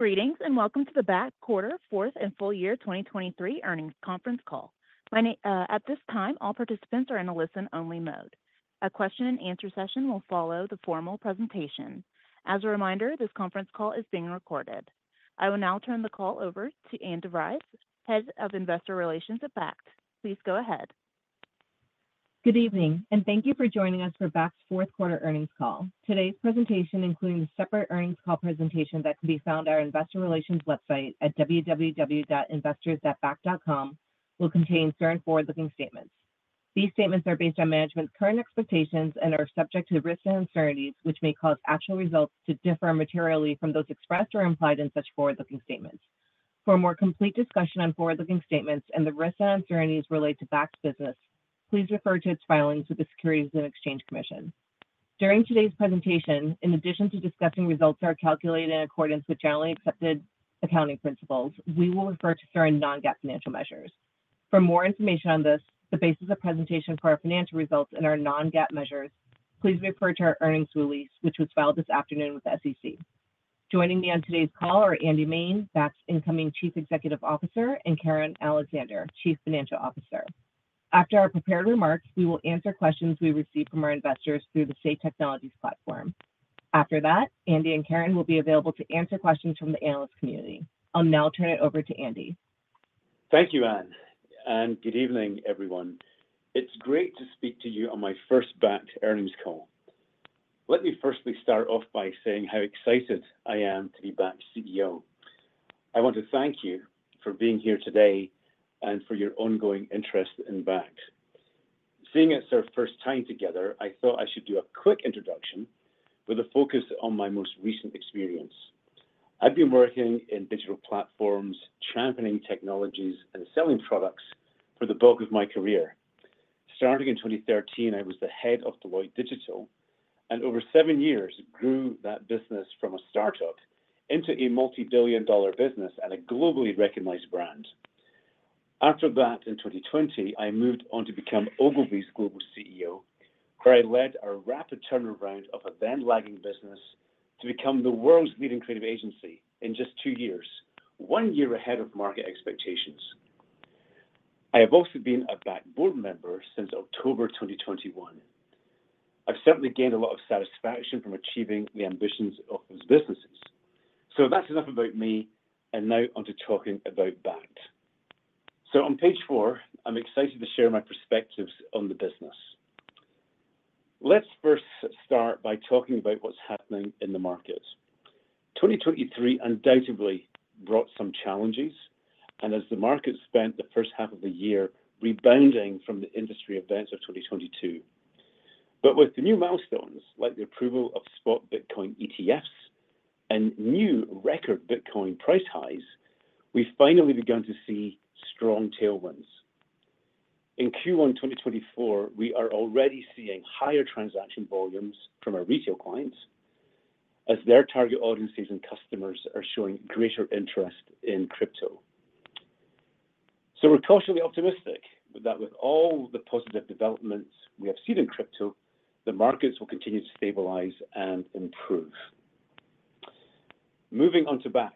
Greetings and welcome to the Bakkt fourth quarter and full year 2023 earnings conference call. At this time, all participants are in a listen-only mode. A question-and-answer session will follow the formal presentation. As a reminder, this conference call is being recorded. I will now turn the call over to Andrew Rae, Head of Investor Relations at Bakkt. Please go ahead. Good evening, and thank you for joining us for Bakkt's fourth quarter earnings call. Today's presentation, including the separate earnings call presentation that can be found on our investor relations website at investors.bakkt.com, will contain certain forward-looking statements. These statements are based on management's current expectations and are subject to risks and uncertainties, which may cause actual results to differ materially from those expressed or implied in such forward-looking statements. For a more complete discussion on forward-looking statements and the risks and uncertainties related to Bakkt's business, please refer to its filings with the Securities and Exchange Commission. During today's presentation, in addition to discussing results that are calculated in accordance with Generally Accepted Accounting Principles, we will refer to certain non-GAAP financial measures. For more information on this, the basis of presentation for our financial results and our non-GAAP measures, please refer to our earnings release, which was filed this afternoon with the SEC. Joining me on today's call are Andy Main, Bakkt's incoming Chief Executive Officer, and Karen Alexander, Chief Financial Officer. After our prepared remarks, we will answer questions we receive from our investors through the Say Technologies platform. After that, Andy and Karen will be available to answer questions from the analyst community. I'll now turn it over to Andy. Thank you, Andrew. Good evening, everyone. It's great to speak to you on my first Bakkt earnings call. Let me firstly start off by saying how excited I am to be Bakkt's CEO. I want to thank you for being here today and for your ongoing interest in Bakkt. Seeing it's our first time together, I thought I should do a quick introduction with a focus on my most recent experience. I've been working in digital platforms, championing technologies, and selling products for the bulk of my career. Starting in 2013, I was the head of Deloitte Digital, and over seven years grew that business from a startup into a multibillion-dollar business and a globally recognized brand. After that, in 2020, I moved on to become Ogilvy's global CEO, where I led a rapid turnaround of a then-lagging business to become the world's leading creative agency in just two years, one year ahead of market expectations. I have also been a Bakkt board member since October 2021. I've certainly gained a lot of satisfaction from achieving the ambitions of those businesses. So that's enough about me, and now onto talking about Bakkt. So on page four, I'm excited to share my perspectives on the business. Let's first start by talking about what's happening in the market. 2023 undoubtedly brought some challenges, and as the market spent the first half of the year rebounding from the industry events of 2022, but with the new milestones like the approval of spot Bitcoin ETFs and new record Bitcoin price highs, we've finally begun to see strong tailwinds. In Q1 2024, we are already seeing higher transaction volumes from our retail clients as their target audiences and customers are showing greater interest in crypto. So we're cautiously optimistic that with all the positive developments we have seen in crypto, the markets will continue to stabilize and improve. Moving on to Bakkt,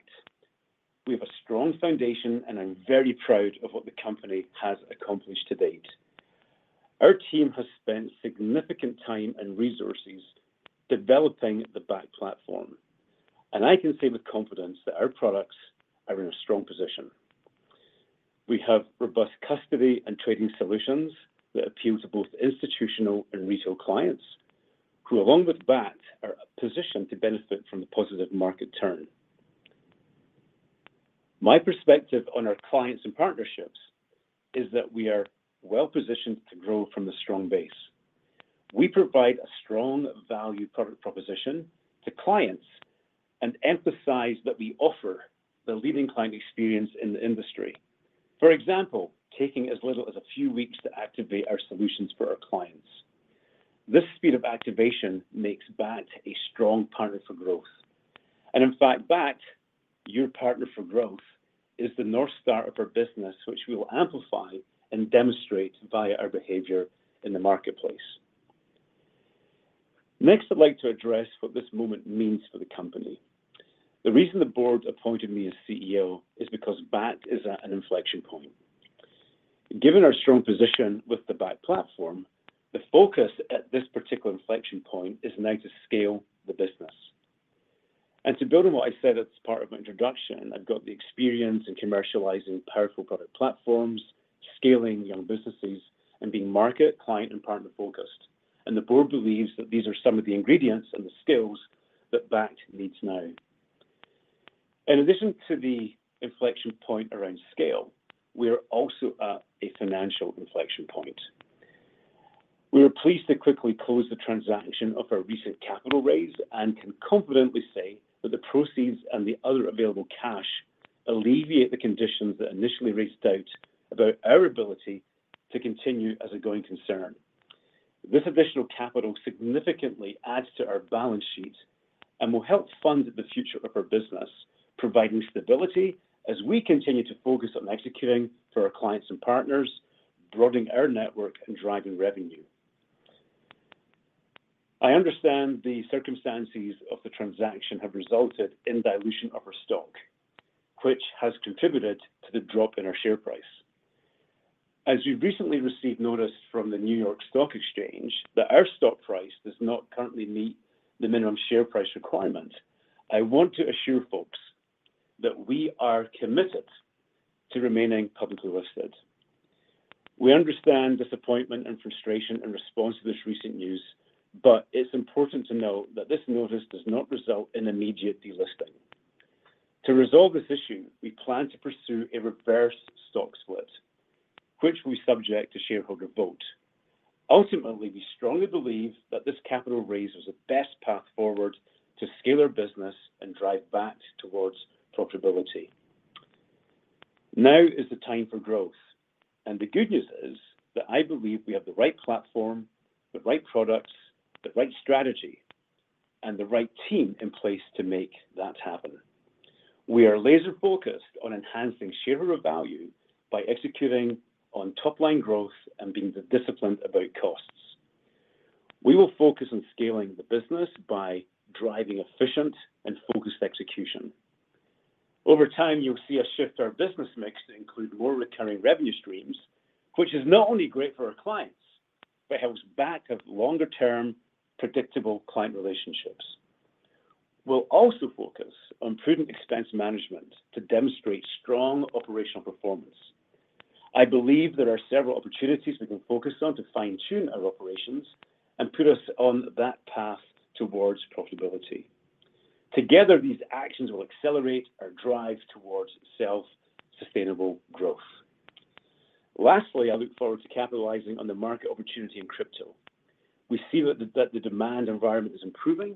we have a strong foundation, and I'm very proud of what the company has accomplished to date. Our team has spent significant time and resources developing the Bakkt platform, and I can say with confidence that our products are in a strong position. We have robust custody and trading solutions that appeal to both institutional and retail clients who, along with Bakkt, are positioned to benefit from the positive market turn. My perspective on our clients and partnerships is that we are well positioned to grow from a strong base. We provide a strong value product proposition to clients and emphasize that we offer the leading client experience in the industry, for example, taking as little as a few weeks to activate our solutions for our clients. This speed of activation makes Bakkt a strong partner for growth. And in fact, Bakkt, your partner for growth, is the north star of our business, which we will amplify and demonstrate via our behavior in the marketplace. Next, I'd like to address what this moment means for the company. The reason the board appointed me as CEO is because Bakkt is at an inflection point. Given our strong position with the Bakkt platform, the focus at this particular inflection point is now to scale the business. To build on what I said as part of my introduction, I've got the experience in commercializing powerful product platforms, scaling young businesses, and being market, client, and partner focused. The board believes that these are some of the ingredients and the skills that Bakkt needs now. In addition to the inflection point around scale, we are also at a financial inflection point. We are pleased to quickly close the transaction of our recent capital raise and can confidently say that the proceeds and the other available cash alleviate the conditions that initially raised doubt about our ability to continue as a going concern. This additional capital significantly adds to our balance sheet and will help fund the future of our business, providing stability as we continue to focus on executing for our clients and partners, broadening our network, and driving revenue. I understand the circumstances of the transaction have resulted in dilution of our stock, which has contributed to the drop in our share price. As we've recently received notice from the New York Stock Exchange that our stock price does not currently meet the minimum share price requirement, I want to assure folks that we are committed to remaining publicly listed. We understand disappointment and frustration in response to this recent news, but it's important to note that this notice does not result in immediate delisting. To resolve this issue, we plan to pursue a reverse stock split, which we subject to shareholder vote. Ultimately, we strongly believe that this capital raise was the best path forward to scale our business and drive Bakkt towards profitability. Now is the time for growth, and the good news is that I believe we have the right platform, the right products, the right strategy, and the right team in place to make that happen. We are laser-focused on enhancing shareholder value by executing on top-line growth and being disciplined about costs. We will focus on scaling the business by driving efficient and focused execution. Over time, you'll see us shift our business mix to include more recurring revenue streams, which is not only great for our clients but helps Bakkt have longer-term, predictable client relationships. We'll also focus on prudent expense management to demonstrate strong operational performance. I believe there are several opportunities we can focus on to fine-tune our operations and put us on that path towards profitability. Together, these actions will accelerate our drive towards self-sustainable growth. Lastly, I look forward to capitalizing on the market opportunity in crypto. We see that the demand environment is improving,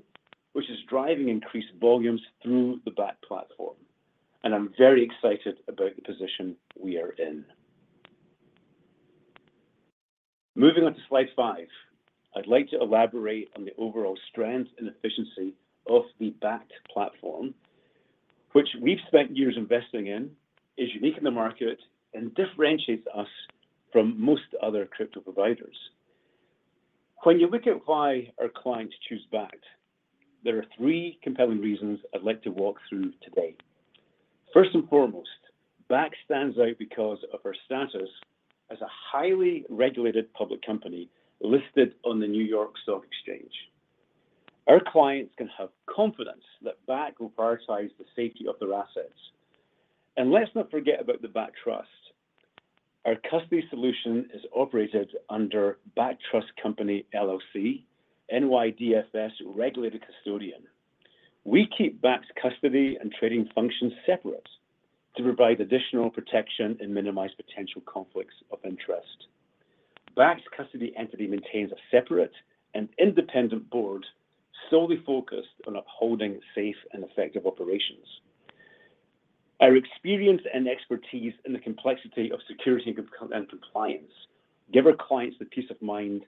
which is driving increased volumes through the Bakkt platform, and I'm very excited about the position we are in. Moving on to slide 5, I'd like to elaborate on the overall strength and efficiency of the Bakkt platform, which we've spent years investing in, is unique in the market, and differentiates us from most other crypto providers. When you look at why our clients choose Bakkt, there are three compelling reasons I'd like to walk through today. First and foremost, Bakkt stands out because of our status as a highly regulated public company listed on the New York Stock Exchange. Our clients can have confidence that Bakkt will prioritize the safety of their assets. Let's not forget about the Bakkt Trust. Our custody solution is operated under Bakkt Trust Company LLC, NYDFS Regulated Custodian. We keep Bakkt's custody and trading functions separate to provide additional protection and minimize potential conflicts of interest. Bakkt's custody entity maintains a separate and independent board solely focused on upholding safe and effective operations. Our experience and expertise in the complexity of security and compliance give our clients the peace of mind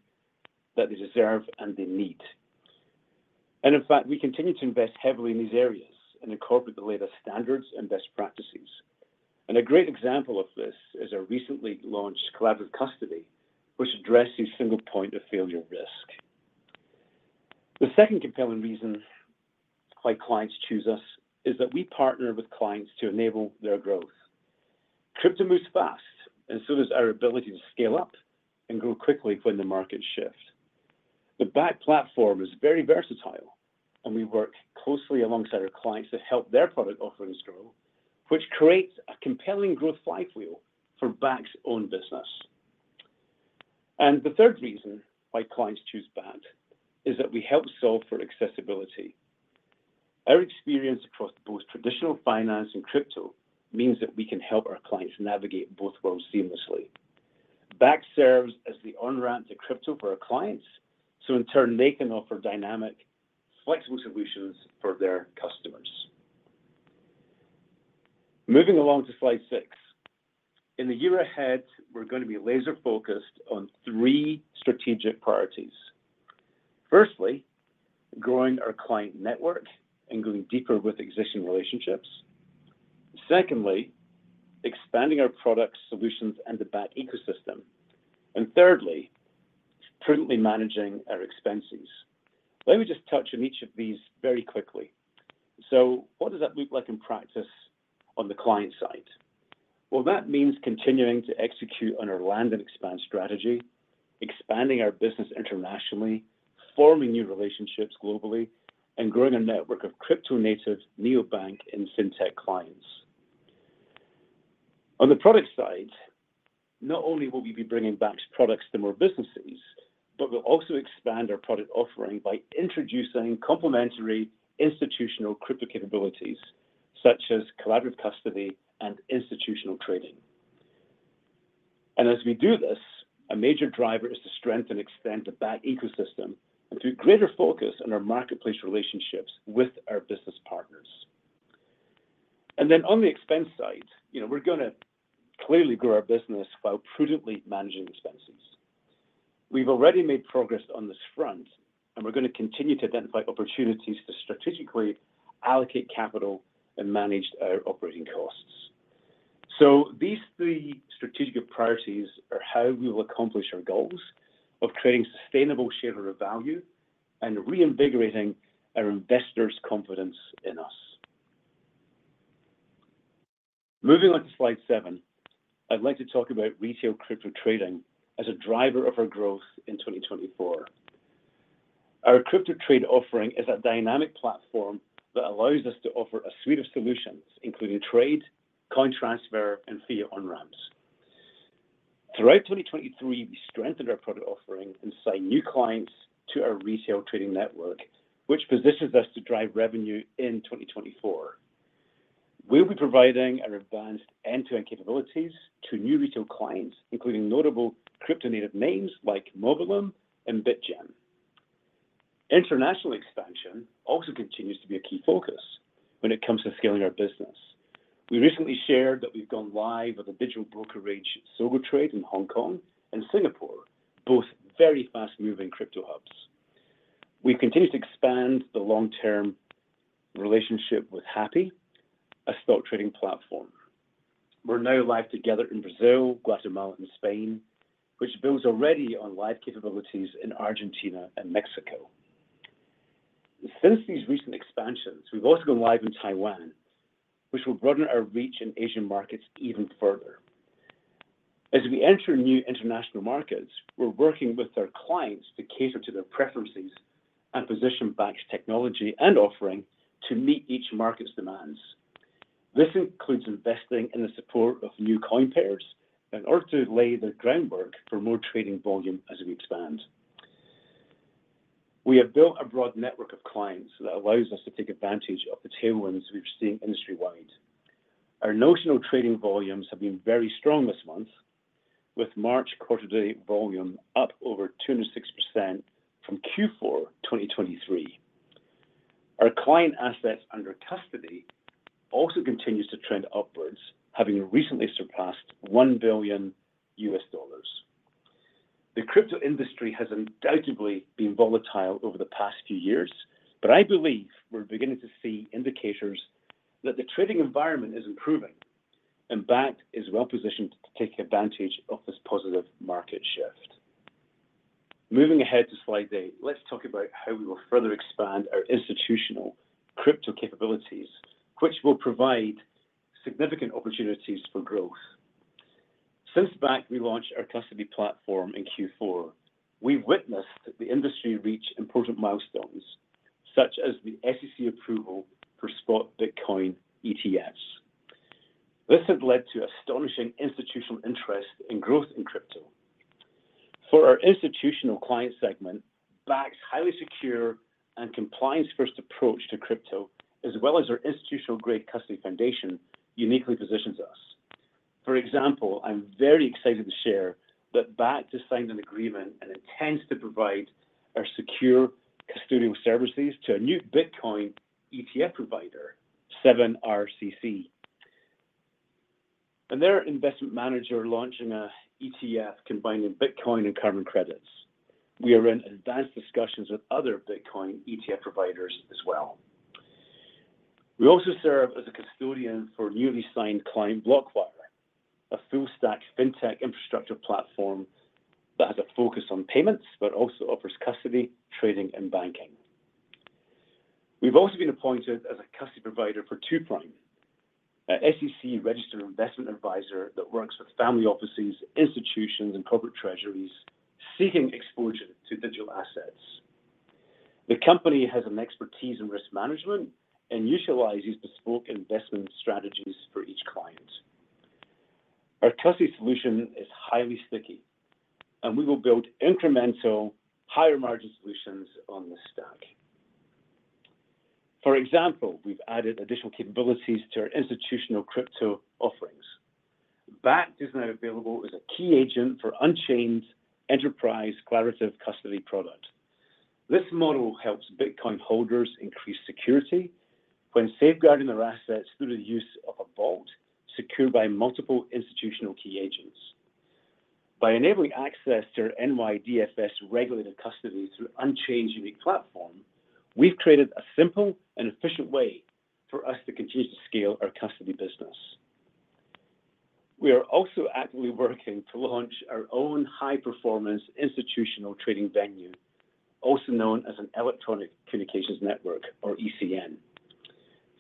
that they deserve and they need. In fact, we continue to invest heavily in these areas and incorporate the latest standards and best practices. A great example of this is our recently launched collaborative custody, which addresses single point of failure risk. The second compelling reason why clients choose us is that we partner with clients to enable their growth. Crypto moves fast, and so does our ability to scale up and grow quickly when the markets shift. The Bakkt platform is very versatile, and we work closely alongside our clients to help their product offerings grow, which creates a compelling growth flywheel for Bakkt's own business. The third reason why clients choose Bakkt is that we help solve for accessibility. Our experience across both traditional finance and crypto means that we can help our clients navigate both worlds seamlessly. Bakkt serves as the on-ramp to crypto for our clients, so in turn, they can offer dynamic, flexible solutions for their customers. Moving along to slide 6, in the year ahead, we're going to be laser-focused on 3 strategic priorities. Firstly, growing our client network and going deeper with existing relationships. Secondly, expanding our products, solutions, and the Bakkt ecosystem. And thirdly, prudently managing our expenses. Let me just touch on each of these very quickly. So what does that look like in practice on the client side? Well, that means continuing to execute on our land and expand strategy, expanding our business internationally, forming new relationships globally, and growing our network of crypto-native neobank and fintech clients. On the product side, not only will we be bringing Bakkt's products to more businesses, but we'll also expand our product offering by introducing complementary institutional crypto capabilities such as collaborative custody and institutional trading. And as we do this, a major driver is to strengthen and extend the Bakkt ecosystem and put greater focus on our marketplace relationships with our business partners. And then on the expense side, we're going to clearly grow our business while prudently managing expenses. We've already made progress on this front, and we're going to continue to identify opportunities to strategically allocate capital and manage our operating costs. So these three strategic priorities are how we will accomplish our goals of creating sustainable shareholder value and reinvigorating our investors' confidence in us. Moving on to slide 7, I'd like to talk about retail crypto trading as a driver of our growth in 2024. Our crypto trade offering is a dynamic platform that allows us to offer a suite of solutions, including trade, coin transfer, and fiat on-ramps. Throughout 2023, we strengthened our product offering and signed new clients to our retail trading network, which positions us to drive revenue in 2024. We'll be providing our advanced end-to-end capabilities to new retail clients, including notable crypto-native names like Mobilum and BitGin. International expansion also continues to be a key focus when it comes to scaling our business. We recently shared that we've gone live with the digital brokerage SogoTrade in Hong Kong and Singapore, both very fast-moving crypto hubs. We continue to expand the long-term relationship with Hapi, a stock trading platform. We're now live together in Brazil, Guatemala, and Spain, which builds already on live capabilities in Argentina and Mexico. Since these recent expansions, we've also gone live in Taiwan, which will broaden our reach in Asian markets even further. As we enter new international markets, we're working with our clients to cater to their preferences and position Bakkt's technology and offering to meet each market's demands. This includes investing in the support of new coin pairs in order to lay the groundwork for more trading volume as we expand. We have built a broad network of clients that allows us to take advantage of the tailwinds we're seeing industry-wide. Our notional trading volumes have been very strong this month, with March quarterly volume up over 206% from Q4 2023. Our client assets under custody also continue to trend upwards, having recently surpassed $1 billion. The crypto industry has undoubtedly been volatile over the past few years, but I believe we're beginning to see indicators that the trading environment is improving and Bakkt is well positioned to take advantage of this positive market shift. Moving ahead to slide 8, let's talk about how we will further expand our institutional crypto capabilities, which will provide significant opportunities for growth. Since Bakkt relaunched our custody platform in Q4, we've witnessed the industry reach important milestones such as the SEC approval for spot Bitcoin ETFs. This has led to astonishing institutional interest in growth in crypto. For our institutional client segment, Bakkt's highly secure and compliance-first approach to crypto, as well as our institutional-grade custody foundation, uniquely positions us. For example, I'm very excited to share that Bakkt has signed an agreement and intends to provide our secure custodial services to a new Bitcoin ETF provider, 7RCC. Their investment manager is launching an ETF combining Bitcoin and carbon credits. We are in advanced discussions with other Bitcoin ETF providers as well. We also serve as a custodian for newly signed client BlockFills, a full-stack fintech infrastructure platform that has a focus on payments but also offers custody, trading, and banking. We've also been appointed as a custody provider for 2Prime, an SEC-registered investment advisor that works with family offices, institutions, and corporate treasuries seeking exposure to digital assets. The company has an expertise in risk management and utilizes bespoke investment strategies for each client. Our custody solution is highly sticky, and we will build incremental, higher-margin solutions on this stack. For example, we've added additional capabilities to our institutional crypto offerings. Bakkt, just now available, is a key agent for Unchained enterprise collaborative custody product. This model helps Bitcoin holders increase security when safeguarding their assets through the use of a vault secured by multiple institutional key agents. By enabling access to our NYDFS-regulated custody through Unchained unique platform, we've created a simple and efficient way for us to continue to scale our custody business. We are also actively working to launch our own high-performance institutional trading venue, also known as an electronic communications network, or ECN.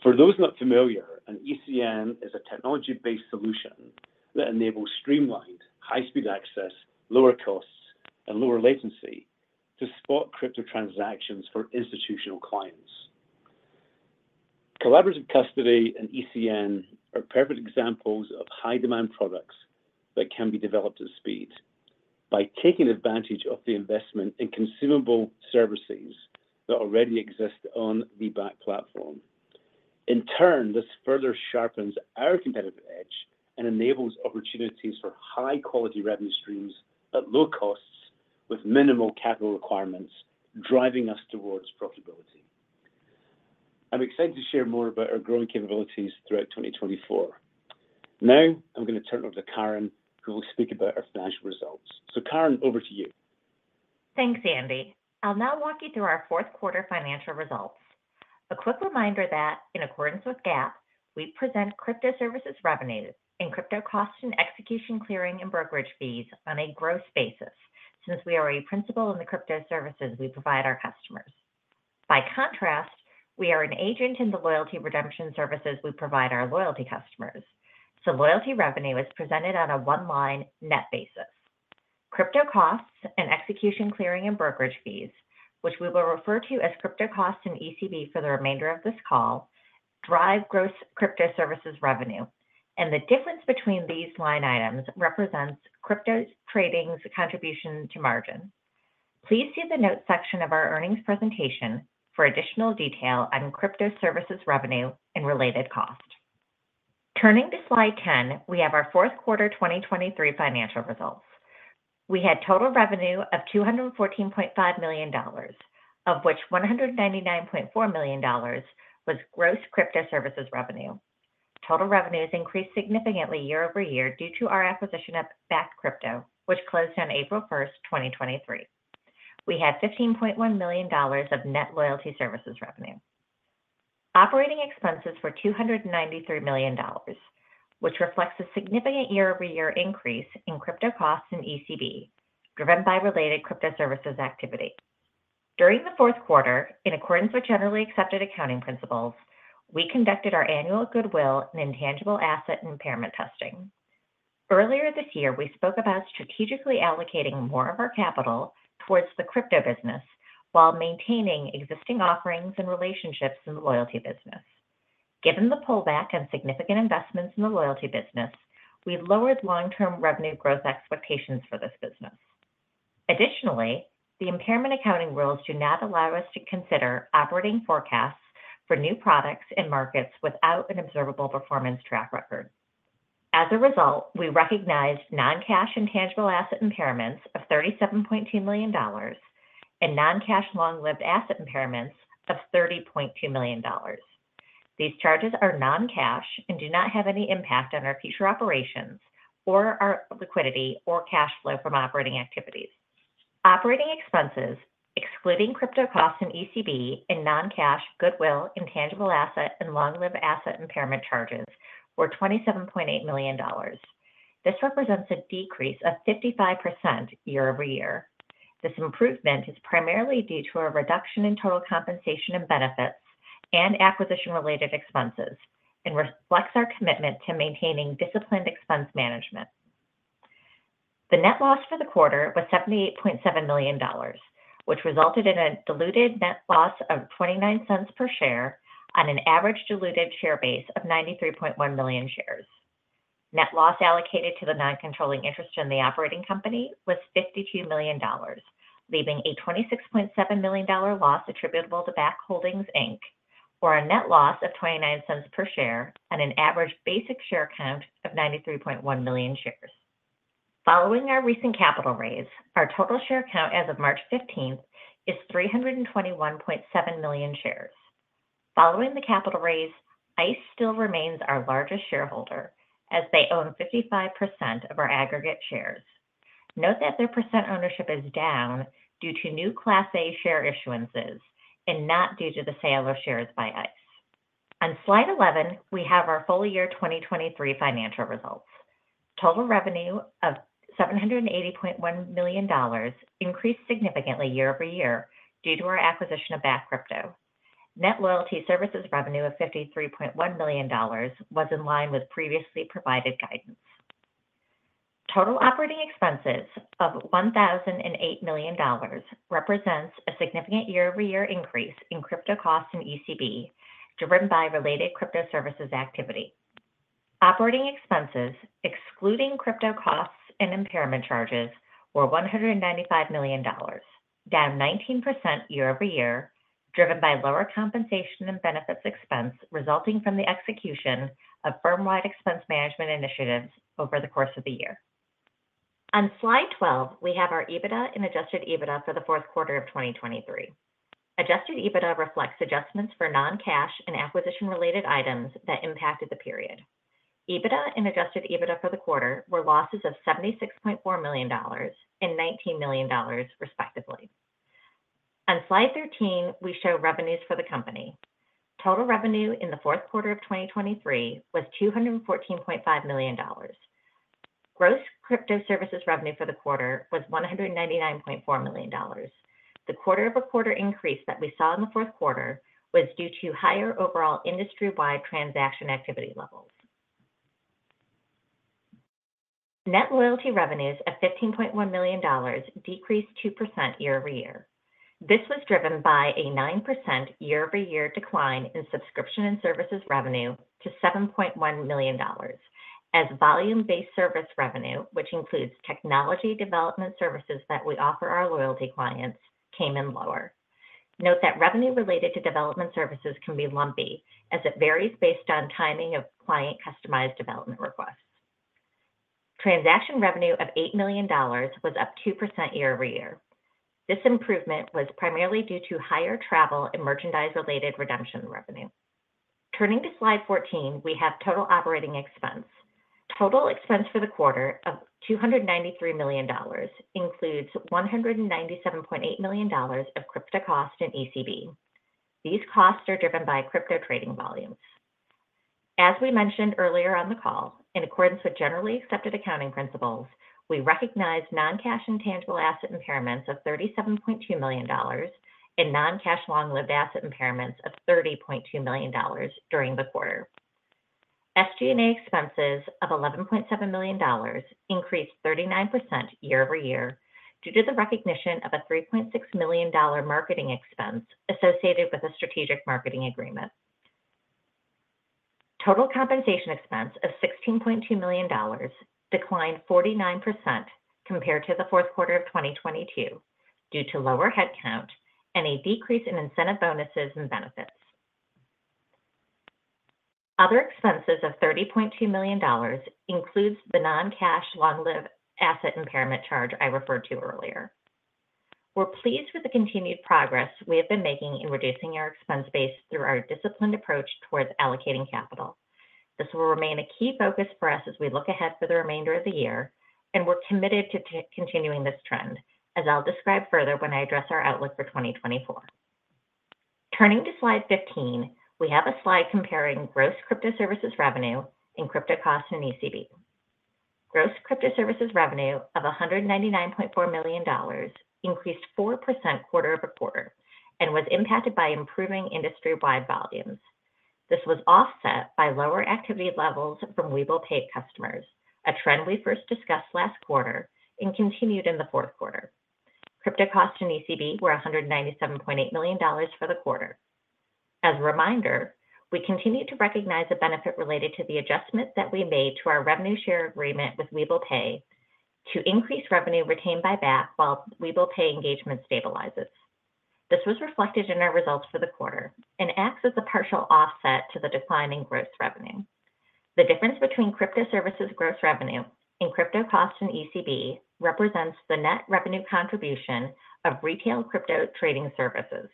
For those not familiar, an ECN is a technology-based solution that enables streamlined, high-speed access, lower costs, and lower latency to spot crypto transactions for institutional clients. Collaborative custody and ECN are perfect examples of high-demand products that can be developed at speed by taking advantage of the investment in consumable services that already exist on the Bakkt platform. In turn, this further sharpens our competitive edge and enables opportunities for high-quality revenue streams at low costs with minimal capital requirements, driving us towards profitability. I'm excited to share more about our growing capabilities throughout 2024. Now I'm going to turn over to Karen, who will speak about our financial results. So Karen, over to you. Thanks, Andy. I'll now walk you through our fourth-quarter financial results. A quick reminder that, in accordance with GAAP, we present crypto services revenue and crypto costs and execution clearing and brokerage fees on a gross basis since we are a principal in the crypto services we provide our customers. By contrast, we are an agent in the loyalty redemption services we provide our loyalty customers. So loyalty revenue is presented on a one-line net basis. Crypto costs and execution clearing and brokerage fees, which we will refer to as crypto costs and ECN for the remainder of this call, drive gross crypto services revenue, and the difference between these line items represents crypto trading's contribution to margin. Please see the notes section of our earnings presentation for additional detail on crypto services revenue and related costs. Turning to slide 10, we have our fourth-quarter 2023 financial results. We had total revenue of $214.5 million, of which $199.4 million was gross crypto services revenue. Total revenues increased significantly year-over-year due to our acquisition of Bakkt Crypto, which closed on April 1st, 2023. We had $15.1 million of net loyalty services revenue. Operating expenses were $293 million, which reflects a significant year-over-year increase in crypto costs and OpEx driven by related crypto services activity. During the fourth quarter, in accordance with Generally Accepted Accounting Principles, we conducted our annual goodwill and intangible asset impairment testing. Earlier this year, we spoke about strategically allocating more of our capital towards the crypto business while maintaining existing offerings and relationships in the loyalty business. Given the pullback and significant investments in the loyalty business, we've lowered long-term revenue growth expectations for this business. Additionally, the impairment accounting rules do not allow us to consider operating forecasts for new products and markets without an observable performance track record. As a result, we recognized non-cash intangible asset impairments of $37.2 million and non-cash long-lived asset impairments of $30.2 million. These charges are non-cash and do not have any impact on our future operations or our liquidity or cash flow from operating activities. Operating expenses, excluding crypto costs and ECN and non-cash goodwill intangible asset and long-lived asset impairment charges, were $27.8 million. This represents a decrease of 55% year-over-year. This improvement is primarily due to a reduction in total compensation and benefits and acquisition-related expenses and reflects our commitment to maintaining disciplined expense management. The net loss for the quarter was $78.7 million, which resulted in a diluted net loss of $0.29 per share on an average diluted share basis of 93.1 million shares. Net loss allocated to the non-controlling interest in the operating company was $52 million, leaving a $26.7 million loss attributable to Bakkt Holdings, Inc., or a net loss of $0.29 per share on an average basic share count of 93.1 million shares. Following our recent capital raise, our total share count as of March 15th is 321.7 million shares. Following the capital raise, ICE still remains our largest shareholder as they own 55% of our aggregate shares. Note that their percent ownership is down due to new Class A share issuances and not due to the sale of shares by ICE. On slide 11, we have our full year 2023 financial results. Total revenue of $780.1 million increased significantly year-over-year due to our acquisition of Bakkt Crypto. Net loyalty services revenue of $53.1 million was in line with previously provided guidance. Total operating expenses of $1,008 million represents a significant year-over-year increase in crypto costs and ECNdriven by related crypto services activity. Operating expenses, excluding crypto costs and impairment charges, were $195 million, down 19% year-over-year driven by lower compensation and benefits expense resulting from the execution of firm-wide expense management initiatives over the course of the year. On slide 12, we have our EBITDA and Adjusted EBITDA for the fourth quarter of 2023. Adjusted EBITDA reflects adjustments for non-cash and acquisition-related items that impacted the period. EBITDA and Adjusted EBITDA for the quarter were losses of $76.4 million and $19 million, respectively. On slide 13, we show revenues for the company. Total revenue in the fourth quarter of 2023 was $214.5 million. Gross crypto services revenue for the quarter was $199.4 million. The quarter-over-quarter increase that we saw in the fourth quarter was due to higher overall industry-wide transaction activity levels. Net loyalty revenues of $15.1 million decreased 2% year-over-year. This was driven by a 9% year-over-year decline in subscription and services revenue to $7.1 million as volume-based service revenue, which includes technology development services that we offer our loyalty clients, came in lower. Note that revenue related to development services can be lumpy as it varies based on timing of client customized development requests. Transaction revenue of $8 million was up 2% year-over-year. This improvement was primarily due to higher travel and merchandise-related redemption revenue. Turning to slide 14, we have total operating expense. Total expense for the quarter of $293 million includes $197.8 million of crypto costs and ECB. These costs are driven by crypto trading volumes. As we mentioned earlier on the call, in accordance with generally accepted accounting principles, we recognize non-cash intangible asset impairments of $37.2 million and non-cash long-lived asset impairments of $30.2 million during the quarter. SG&A expenses of $11.7 million increased 39% year-over-year due to the recognition of a $3.6 million marketing expense associated with a strategic marketing agreement. Total compensation expense of $16.2 million declined 49% compared to the fourth quarter of 2022 due to lower headcount and a decrease in incentive bonuses and benefits. Other expenses of $30.2 million include the non-cash long-lived asset impairment charge I referred to earlier. We're pleased with the continued progress we have been making in reducing our expense base through our disciplined approach towards allocating capital. This will remain a key focus for us as we look ahead for the remainder of the year, and we're committed to continuing this trend, as I'll describe further when I address our outlook for 2024. Turning to slide 15, we have a slide comparing gross crypto services revenue and crypto costs and ECB. Gross crypto services revenue of $199.4 million increased 4% quarter-over-quarter and was impacted by improving industry-wide volumes. This was offset by lower activity levels from Webull Pay customers, a trend we first discussed last quarter and continued in the fourth quarter. Crypto costs and ECB were $197.8 million for the quarter. As a reminder, we continue to recognize a benefit related to the adjustment that we made to our revenue share agreement with Webull Pay to increase revenue retained by Bakkt while Webull Pay engagement stabilizes. This was reflected in our results for the quarter and acts as a partial offset to the declining gross revenue. The difference between crypto services gross revenue and crypto costs and ECB represents the net revenue contribution of retail crypto trading services.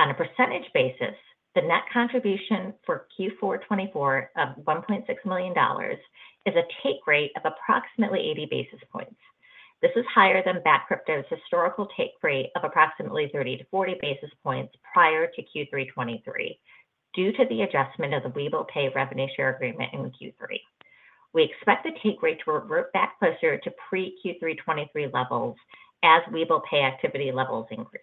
On a percentage basis, the net contribution for Q4 2024 of $1.6 million is a take rate of approximately 80 basis points. This is higher than Bakkt Crypto's historical take rate of approximately 30-40 basis points prior to Q3 2023 due to the adjustment of the Webull Pay revenue share agreement in Q3. We expect the take rate to revert back closer to pre-Q3 2023 levels as Webull Pay activity levels increase.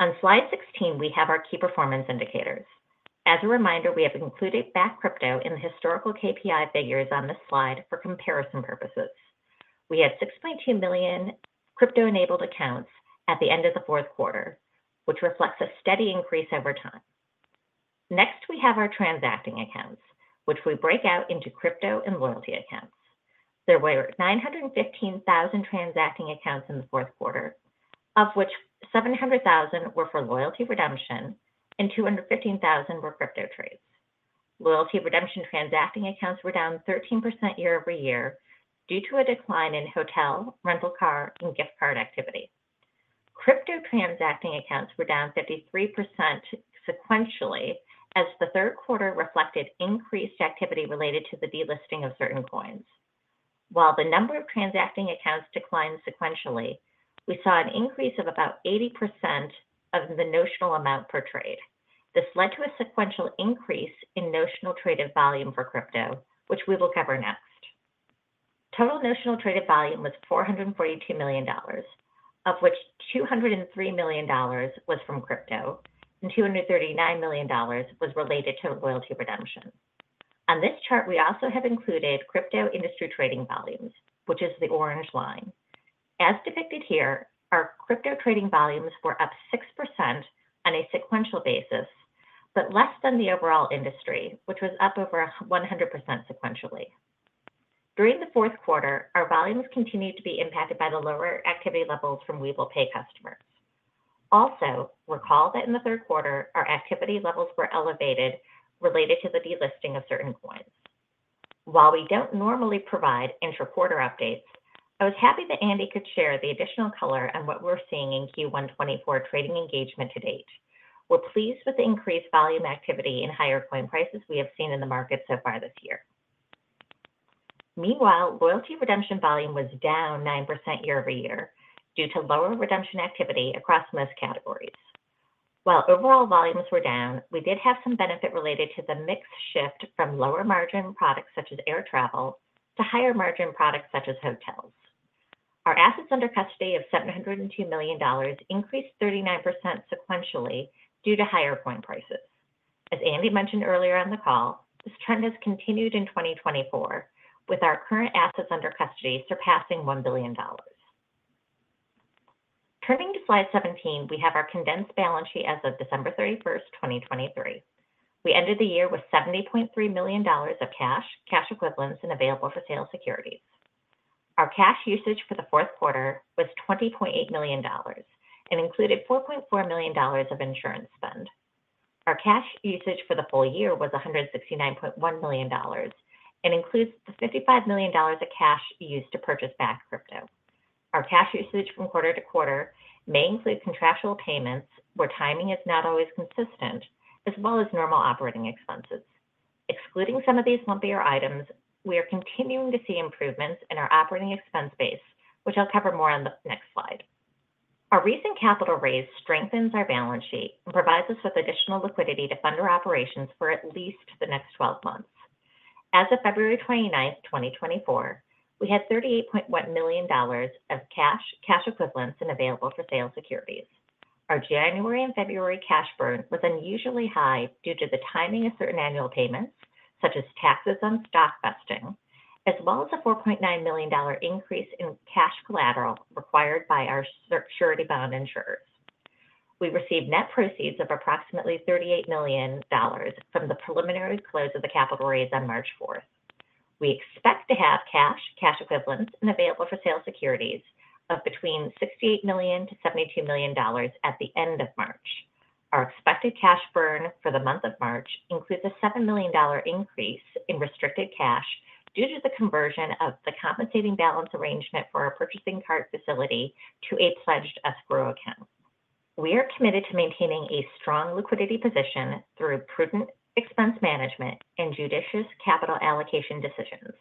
On slide 16, we have our key performance indicators. As a reminder, we have included Bakkt Crypto in the historical KPI figures on this slide for comparison purposes. We had 6.2 million crypto-enabled accounts at the end of the fourth quarter, which reflects a steady increase over time. Next, we have our transacting accounts, which we break out into crypto and loyalty accounts. There were 915,000 transacting accounts in the fourth quarter, of which 700,000 were for loyalty redemption and 215,000 were crypto trades. Loyalty redemption transacting accounts were down 13% year over year due to a decline in hotel, rental car, and gift card activity. Crypto transacting accounts were down 53% sequentially as the third quarter reflected increased activity related to the delisting of certain coins. While the number of transacting accounts declined sequentially, we saw an increase of about 80% of the notional amount per trade. This led to a sequential increase in notional traded volume for crypto, which we will cover next. Total notional traded volume was $442 million, of which $203 million was from crypto and $239 million was related to loyalty redemption. On this chart, we also have included crypto industry trading volumes, which is the orange line. As depicted here, our crypto trading volumes were up 6% on a sequential basis but less than the overall industry, which was up over 100% sequentially. During the fourth quarter, our volumes continued to be impacted by the lower activity levels from Webull Pay customers. Also, recall that in the third quarter, our activity levels were elevated related to the delisting of certain coins. While we don't normally provide intra-quarter updates, I was happy that Andy could share the additional color on what we're seeing in Q1 2024 trading engagement to date. We're pleased with the increased volume activity and higher coin prices we have seen in the market so far this year. Meanwhile, loyalty redemption volume was down 9% year-over-year due to lower redemption activity across most categories. While overall volumes were down, we did have some benefit related to the mixed shift from lower margin products such as air travel to higher margin products such as hotels. Our assets under custody of $702 million increased 39% sequentially due to higher coin prices. As Andy mentioned earlier on the call, this trend has continued in 2024 with our current assets under custody surpassing $1 billion. Turning to slide 17, we have our condensed balance sheet as of December 31st, 2023. We ended the year with $70.3 million of cash, cash equivalents, and available for sale securities. Our cash usage for the fourth quarter was $20.8 million and included $4.4 million of insurance spend. Our cash usage for the full year was $169.1 million and includes the $55 million of cash used to purchase Bakkt Crypto. Our cash usage from quarter to quarter may include contractual payments where timing is not always consistent, as well as normal operating expenses. Excluding some of these lumpier items, we are continuing to see improvements in our operating expense base, which I'll cover more on the next slide. Our recent capital raise strengthens our balance sheet and provides us with additional liquidity to fund our operations for at least the next 12 months. As of February 29th, 2024, we had $38.1 million of cash, cash equivalents, and available for sale securities. Our January and February cash burn was unusually high due to the timing of certain annual payments such as taxes on stock vesting, as well as a $4.9 million increase in cash collateral required by our surety bond insurers. We received net proceeds of approximately $38 million from the preliminary close of the capital raise on March 4th. We expect to have cash, cash equivalents, and available for sale securities of between $68 million-$72 million at the end of March. Our expected cash burn for the month of March includes a $7 million increase in restricted cash due to the conversion of the compensating balance arrangement for our purchasing card facility to a pledged escrow account. We are committed to maintaining a strong liquidity position through prudent expense management and judicious capital allocation decisions.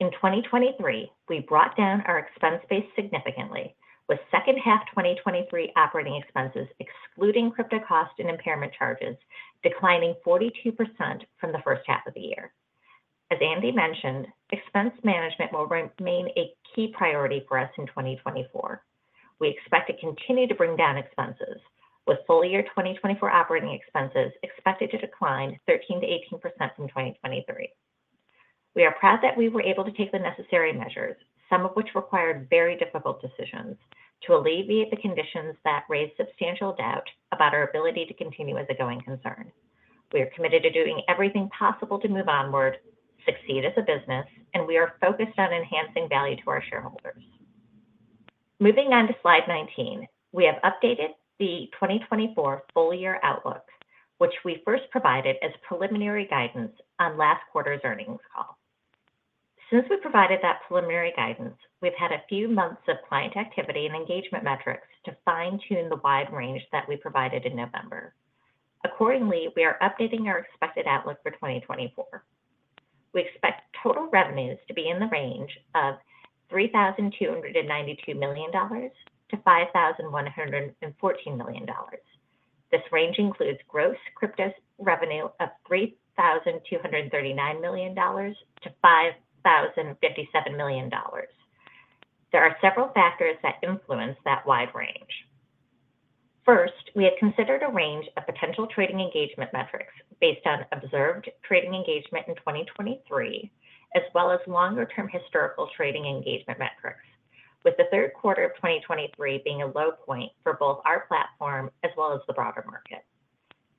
In 2023, we brought down our expense base significantly, with second half 2023 operating expenses excluding crypto cost and impairment charges declining 42% from the first half of the year. As Andy mentioned, expense management will remain a key priority for us in 2024. We expect to continue to bring down expenses, with full year 2024 operating expenses expected to decline 13%-18% from 2023. We are proud that we were able to take the necessary measures, some of which required very difficult decisions, to alleviate the conditions that raised substantial doubt about our ability to continue as a going concern. We are committed to doing everything possible to move onward, succeed as a business, and we are focused on enhancing value to our shareholders. Moving on to slide 19, we have updated the 2024 full year outlook, which we first provided as preliminary guidance on last quarter's earnings call. Since we provided that preliminary guidance, we've had a few months of client activity and engagement metrics to fine-tune the wide range that we provided in November. Accordingly, we are updating our expected outlook for 2024. We expect total revenues to be in the range of $3,292 million-$5,114 million. This range includes gross crypto revenue of $3,239 million-$5,057 million. There are several factors that influence that wide range. First, we have considered a range of potential trading engagement metrics based on observed trading engagement in 2023, as well as longer-term historical trading engagement metrics, with the third quarter of 2023 being a low point for both our platform as well as the broader market.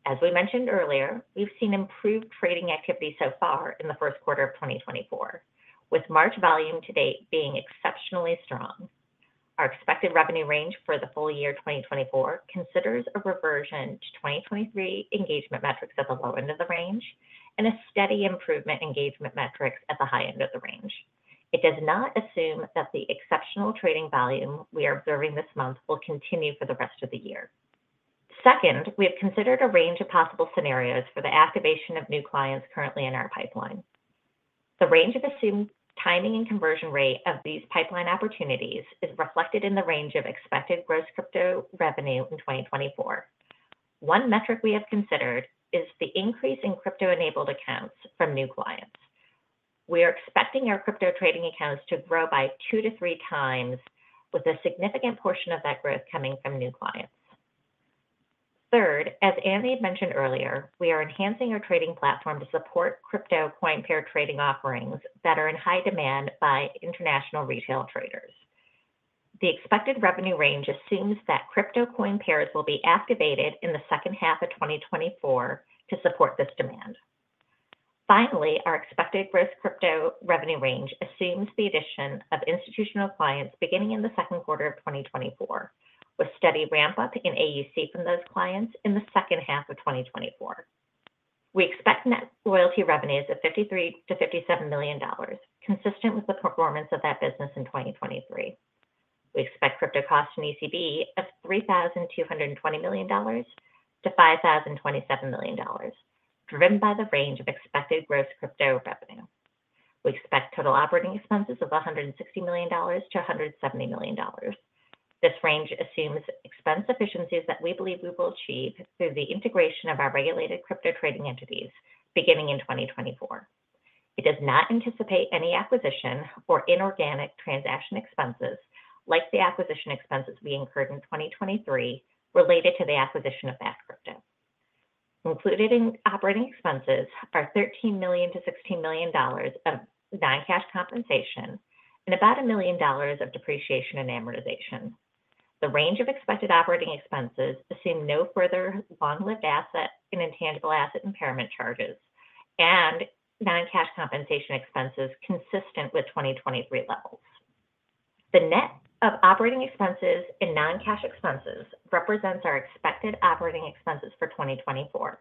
As we mentioned earlier, we've seen improved trading activity so far in the first quarter of 2024, with March volume to date being exceptionally strong. Our expected revenue range for the full year 2024 considers a reversion to 2023 engagement metrics at the low end of the range and a steady improvement engagement metrics at the high end of the range. It does not assume that the exceptional trading volume we are observing this month will continue for the rest of the year. Second, we have considered a range of possible scenarios for the activation of new clients currently in our pipeline. The range of assumed timing and conversion rate of these pipeline opportunities is reflected in the range of expected gross crypto revenue in 2024. One metric we have considered is the increase in crypto-enabled accounts from new clients. We are expecting our crypto trading accounts to grow by 2-3 times, with a significant portion of that growth coming from new clients. Third, as Andy had mentioned earlier, we are enhancing our trading platform to support crypto coin pair trading offerings that are in high demand by international retail traders. The expected revenue range assumes that crypto coin pairs will be activated in the second half of 2024 to support this demand. Finally, our expected gross crypto revenue range assumes the addition of institutional clients beginning in the second quarter of 2024, with steady ramp-up in AUC from those clients in the second half of 2024. We expect net loyalty revenues of $53 million-$57 million, consistent with the performance of that business in 2023. We expect crypto costs and EBITDA of $3,220 million-$5,027 million, driven by the range of expected gross crypto revenue. We expect total operating expenses of $160 million-$170 million. This range assumes expense efficiencies that we believe we will achieve through the integration of our regulated crypto trading entities beginning in 2024. It does not anticipate any acquisition or inorganic transaction expenses like the acquisition expenses we incurred in 2023 related to the acquisition of Bakkt Crypto. Included in operating expenses are $13 million-$16 million of non-cash compensation and about $1 million of depreciation and amortization. The range of expected operating expenses assumes no further long-lived asset and intangible asset impairment charges and non-cash compensation expenses consistent with 2023 levels. The net of operating expenses and non-cash expenses represents our expected operating expenses for 2024.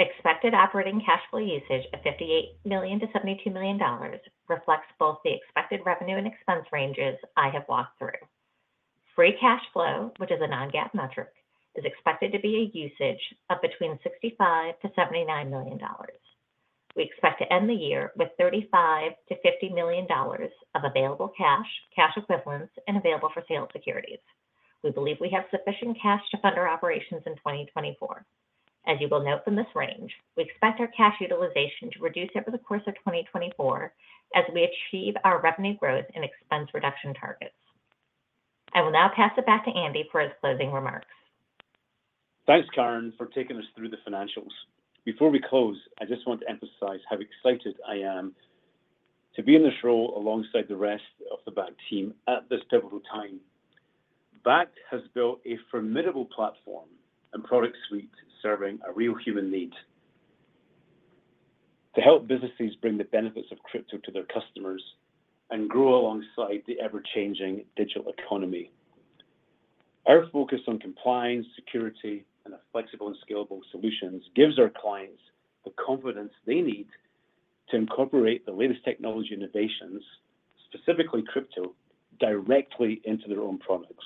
Expected operating cash flow usage of $58 million-$72 million reflects both the expected revenue and expense ranges I have walked through. Free cash flow, which is a non-GAAP metric, is expected to be a usage of between $65-$79 million. We expect to end the year with $35-$50 million of available cash, cash equivalents, and available for sale securities. We believe we have sufficient cash to fund our operations in 2024. As you will note from this range, we expect our cash utilization to reduce over the course of 2024 as we achieve our revenue growth and expense reduction targets. I will now pass it back to Andy for his closing remarks. Thanks, Karen, for taking us through the financials. Before we close, I just want to emphasize how excited I am to be in this role alongside the rest of the Bakkt team at this pivotal time. Bakkt has built a formidable platform and product suite serving a real human need to help businesses bring the benefits of crypto to their customers and grow alongside the ever-changing digital economy. Our focus on compliance, security, and flexible and scalable solutions gives our clients the confidence they need to incorporate the latest technology innovations, specifically crypto, directly into their own products.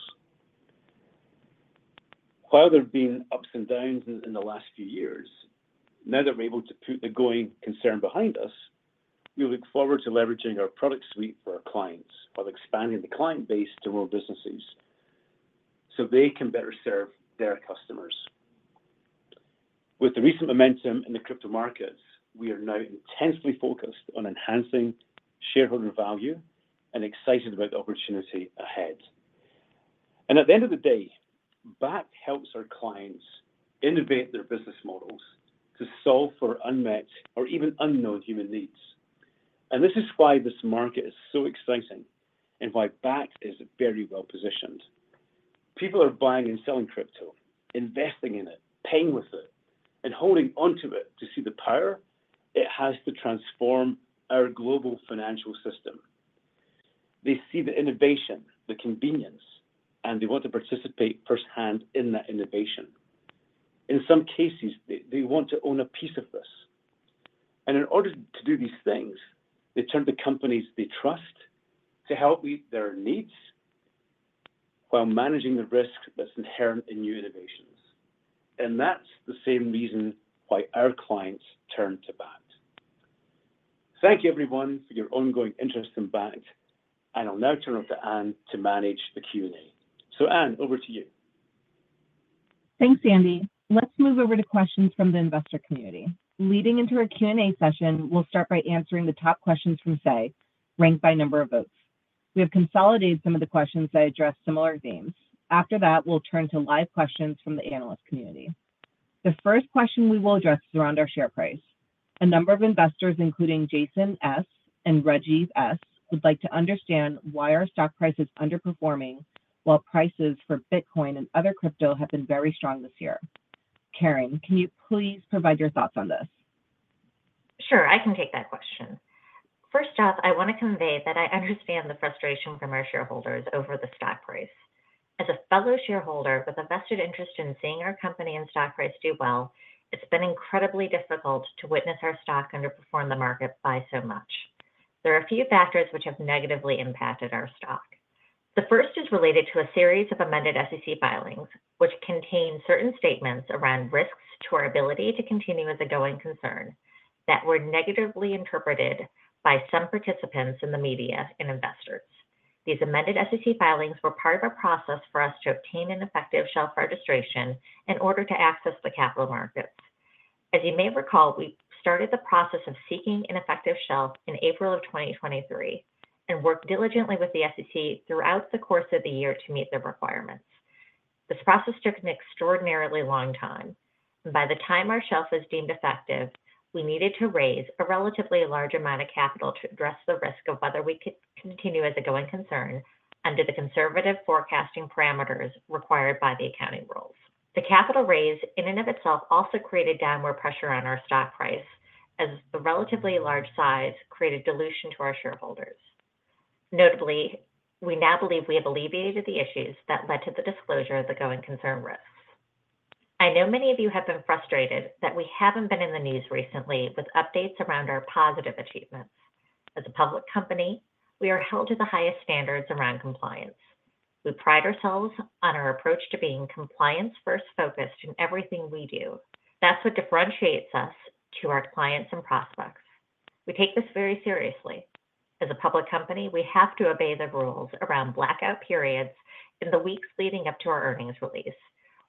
While there have been ups and downs in the last few years, now that we're able to put the going concern behind us, we look forward to leveraging our product suite for our clients while expanding the client base to more businesses so they can better serve their customers. With the recent momentum in the crypto markets, we are now intensely focused on enhancing shareholder value and excited about the opportunity ahead. At the end of the day, Bakkt helps our clients innovate their business models to solve for unmet or even unknown human needs. This is why this market is so exciting and why Bakkt is very well positioned. People are buying and selling crypto, investing in it, paying with it, and holding onto it to see the power it has to transform our global financial system. They see the innovation, the convenience, and they want to participate firsthand in that innovation. In some cases, they want to own a piece of this. In order to do these things, they turn to companies they trust to help meet their needs while managing the risk that's inherent in new innovations. That's the same reason why our clients turn to Bakkt. Thank you, everyone, for your ongoing interest in Bakkt. I'll now turn over to Andrew to manage the Q&A. So, Andrew, over to you. Thanks, Andy. Let's move over to questions from the investor community. Leading into our Q&A session, we'll start by answering the top questions from Say, ranked by number of votes. We have consolidated some of the questions that address similar themes. After that, we'll turn to live questions from the analyst community. The first question we will address is around our share price. A number of investors, including Jason S. and Rajiv S., would like to understand why our stock price is underperforming while prices for Bitcoin and other crypto have been very strong this year. Karen, can you please provide your thoughts on this? Sure. I can take that question. First off, I want to convey that I understand the frustration from our shareholders over the stock price. As a fellow shareholder with a vested interest in seeing our company and stock price do well, it's been incredibly difficult to witness our stock underperform the market by so much. There are a few factors which have negatively impacted our stock. The first is related to a series of amended SEC filings, which contain certain statements around risks to our ability to continue as a going concern that were negatively interpreted by some participants in the media and investors. These amended SEC filings were part of a process for us to obtain an effective shelf registration in order to access the capital markets. As you may recall, we started the process of seeking an effective shelf in April of 2023 and worked diligently with the SEC throughout the course of the year to meet their requirements. This process took an extraordinarily long time. By the time our shelf was deemed effective, we needed to raise a relatively large amount of capital to address the risk of whether we could continue as a going concern under the conservative forecasting parameters required by the accounting rules. The capital raise in and of itself also created downward pressure on our stock price, as the relatively large size created dilution to our shareholders. Notably, we now believe we have alleviated the issues that led to the disclosure of the going concern risks. I know many of you have been frustrated that we haven't been in the news recently with updates around our positive achievements. As a public company, we are held to the highest standards around compliance. We pride ourselves on our approach to being compliance-first-focused in everything we do. That's what differentiates us to our clients and prospects. We take this very seriously. As a public company, we have to obey the rules around blackout periods in the weeks leading up to our earnings release,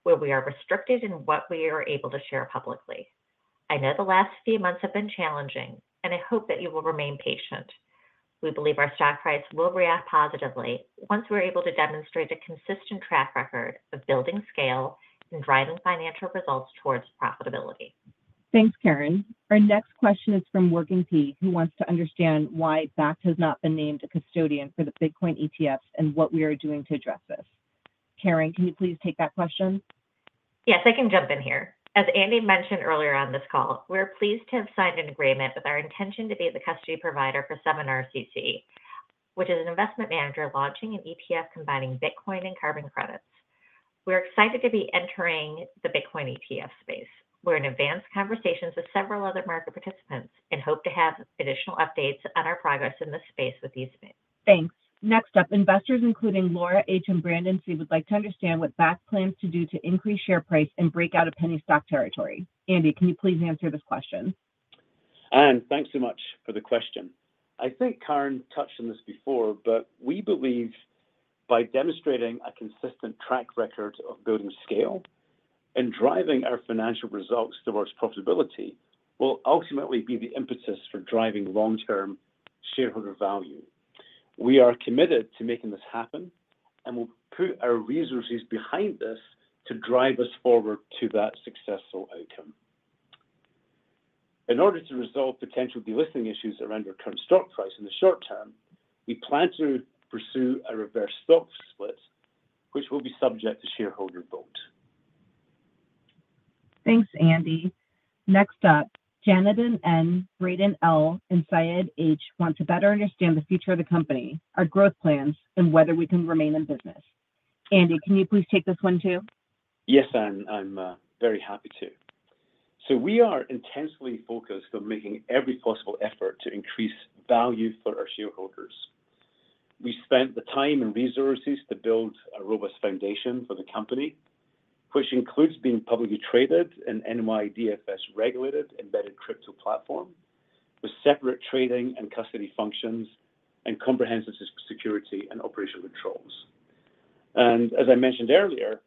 where we are restricted in what we are able to share publicly. I know the last few months have been challenging, and I hope that you will remain patient. We believe our stock price will react positively once we're able to demonstrate a consistent track record of building scale and driving financial results towards profitability. Thanks, Karen. Our next question is from WorkingP, who wants to understand why Bakkt has not been named a custodian for the Bitcoin ETFs and what we are doing to address this. Karen, can you please take that question? Yes, I can jump in here. As Andy mentioned earlier on this call, we're pleased to have signed an agreement with our intention to be the custody provider for 7RCC, which is an investment manager launching an ETF combining Bitcoin and carbon credits. We're excited to be entering the Bitcoin ETF space. We're in advanced conversations with several other market participants and hope to have additional updates on our progress in this space with these things. Thanks. Next up, investors including Laura H. and Brandon C. would like to understand what Bakkt plans to do to increase share price and break out of penny stock territory. Andy, can you please answer this question? Andrew, thanks so much for the question. I think Karen touched on this before, but we believe by demonstrating a consistent track record of building scale and driving our financial results towards profitability will ultimately be the impetus for driving long-term shareholder value. We are committed to making this happen, and we'll put our resources behind this to drive us forward to that successful outcome. In order to resolve potential delisting issues around our current stock price in the short term, we plan to pursue a reverse stock split, which will be subject to shareholder vote. Thanks, Andy. Next up, Janidan N., Raydan L., and Syed H., want to better understand the future of the company, our growth plans, and whether we can remain in business. Andy, can you please take this one too? Yes, Andrew. I'm very happy to. So we are intensely focused on making every possible effort to increase value for our shareholders. We spent the time and resources to build a robust foundation for the company, which includes being publicly traded, NYDFS-regulated embedded crypto platform with separate trading and custody functions and comprehensive security and operational controls. And as I mentioned earlier,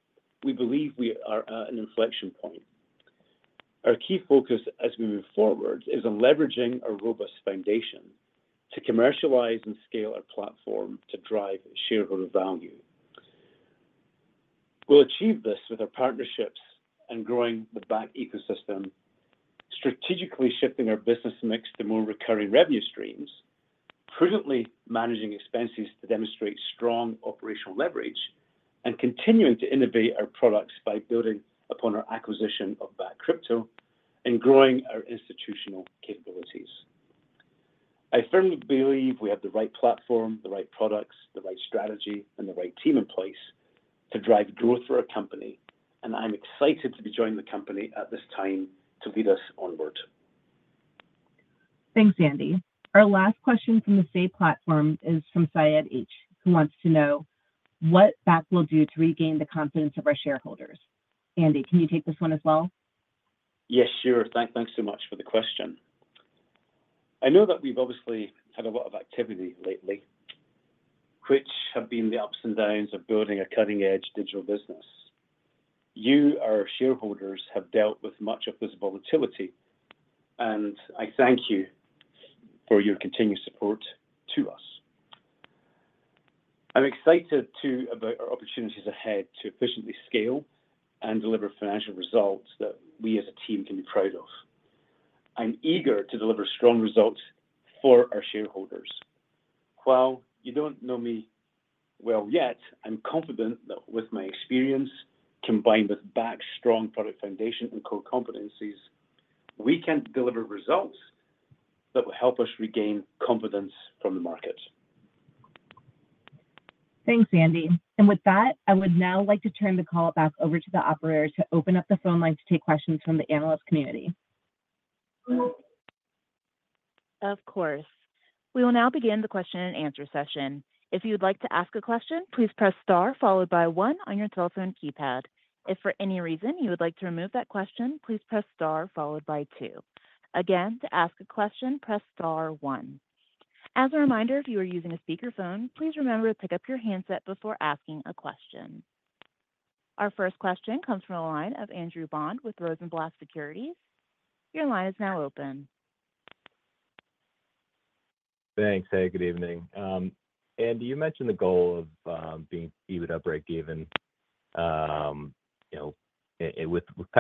we believe we are at an inflection point. Our key focus as we move forward is on leveraging a robust foundation to commercialize and scale our platform to drive shareholder value. We'll achieve this with our partnerships and growing the Bakkt ecosystem, strategically shifting our business mix to more recurring revenue streams, prudently managing expenses to demonstrate strong operational leverage, and continuing to innovate our products by building upon our acquisition of Bakkt Crypto and growing our institutional capabilities. I firmly believe we have the right platform, the right products, the right strategy, and the right team in place to drive growth for our company. And I'm excited to be joining the company at this time to lead us onward. Thanks, Andy. Our last question from the Say platform is from Syed H., who wants to know what Bakkt will do to regain the confidence of our shareholders. Andy, can you take this one as well? Yes, sure. Thanks so much for the question. I know that we've obviously had a lot of activity lately, which have been the ups and downs of building a cutting-edge digital business. You, our shareholders, have dealt with much of this volatility, and I thank you for your continued support to us. I'm excited about our opportunities ahead to efficiently scale and deliver financial results that we, as a team, can be proud of. I'm eager to deliver strong results for our shareholders. While you don't know me well yet, I'm confident that with my experience combined with Bakkt's strong product foundation and core competencies, we can deliver results that will help us regain confidence from the market. Thanks, Andy. With that, I would now like to turn the call back over to the operator to open up the phone line to take questions from the analyst community. Of course. We will now begin the question-and-answer session. If you would like to ask a question, please press star followed by 1 on your telephone keypad. If for any reason you would like to remove that question, please press * 1 followed by 2. Again, to ask a question, press star 1. As a reminder, if you are using a speakerphone, please remember to pick up your handset before asking a question. Our first question comes from a line of Andrew Bond with Rosenblatt Securities. Your line is now open. Thanks. Hey, good evening. Andy, you mentioned the goal of being EBITDA break-even with kind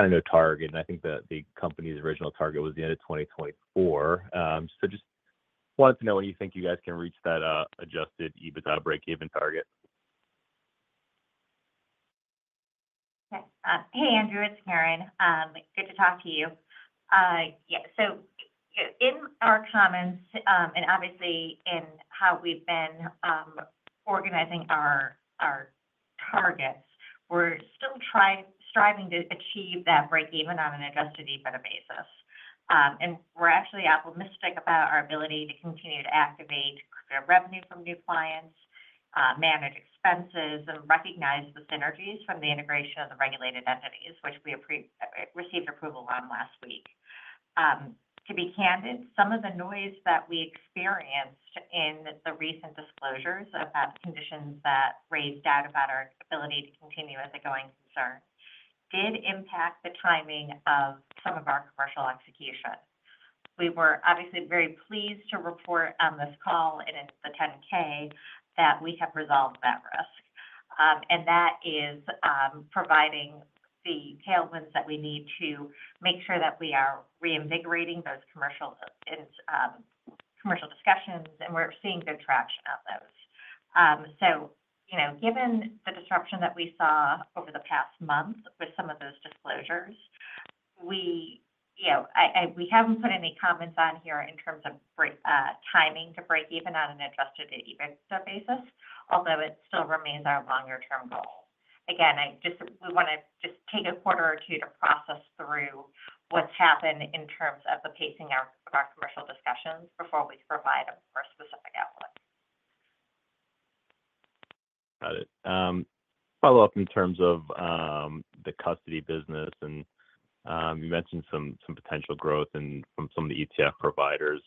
of no target. I think the company's original target was the end of 2024. Just wanted to know when you think you guys can reach that Adjusted EBITDA break-even target. Hey, Andrew. It's Karen. Good to talk to you. Yeah. So in our comments and obviously in how we've been organizing our targets, we're still striving to achieve that break-even on an adjusted EBITDA basis. And we're actually optimistic about our ability to continue to activate revenue from new clients, manage expenses, and recognize the synergies from the integration of the regulated entities, which we received approval on last week. To be candid, some of the noise that we experienced in the recent disclosures about conditions that raised doubt about our ability to continue as a going concern did impact the timing of some of our commercial execution. We were obviously very pleased to report on this call and in the 10-K that we have resolved that risk. That is providing the tailwinds that we need to make sure that we are reinvigorating those commercial discussions, and we're seeing good traction on those. So given the disruption that we saw over the past month with some of those disclosures, we haven't put any comments on here in terms of timing to break-even on an Adjusted EBITDA basis, although it still remains our longer-term goal. Again, we want to just take a quarter or two to process through what's happened in terms of the pacing of our commercial discussions before we provide a more specific outlook. Got it. Follow up in terms of the custody business. And you mentioned some potential growth from some of the ETF providers.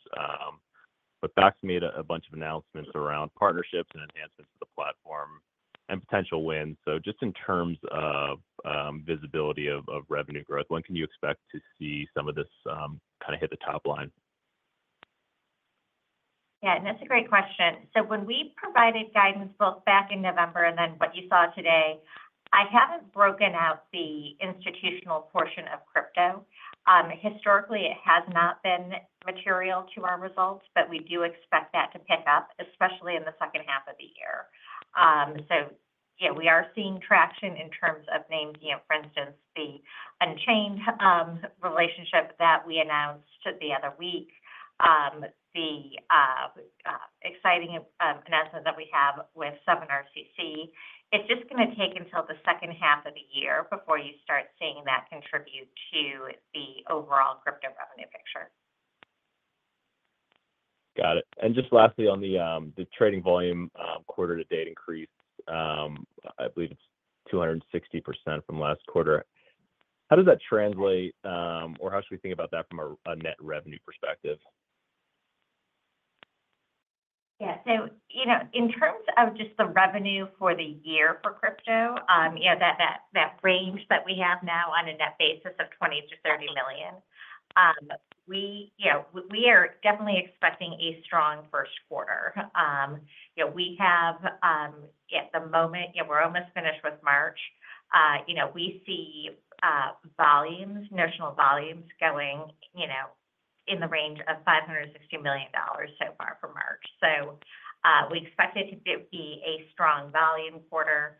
But Bakkt made a bunch of announcements around partnerships and enhancements to the platform and potential wins. So just in terms of visibility of revenue growth, when can you expect to see some of this kind of hit the top line? Yeah. And that's a great question. So when we provided guidance both back in November and then what you saw today, I haven't broken out the institutional portion of crypto. Historically, it has not been material to our results, but we do expect that to pick up, especially in the second half of the year. So yeah, we are seeing traction in terms of names. For instance, the Unchained relationship that we announced the other week, the exciting announcement that we have with 7RCC, it's just going to take until the second half of the year before you start seeing that contribute to the overall crypto revenue picture. Got it. And just lastly, on the trading volume quarter-to-date increase, I believe it's 260% from last quarter. How does that translate, or how should we think about that from a net revenue perspective? Yeah. So in terms of just the revenue for the year for crypto, that range that we have now on a net basis of $20 million-$30 million, we are definitely expecting a strong first quarter. We have at the moment, we're almost finished with March. We see volumes, notional volumes going in the range of $560 million so far for March. So we expect it to be a strong volume quarter.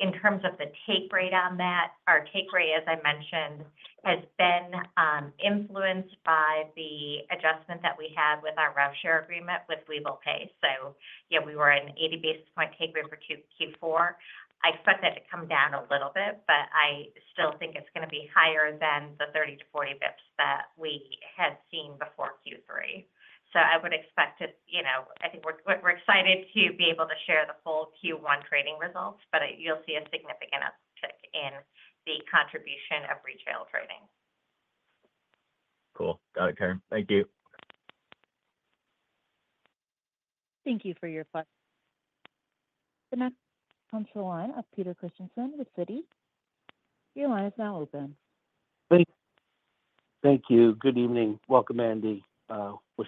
In terms of the take rate on that, our take rate, as I mentioned, has been influenced by the adjustment that we had with our revenue share agreement with Webull Pay. So we were at an 80 basis point take rate for Q4. I expect that to come down a little bit, but I still think it's going to be higher than the 30 to 40 basis points that we had seen before Q3. I think we're excited to be able to share the full Q1 trading results, but you'll see a significant uptick in the contribution of retail trading. Cool. Got it, Karen. Thank you. Thank you for your time. The next comes from a line of Peter Christiansen with Citi. Your line is now open. Thank you. Good evening. Welcome, Andy. Wish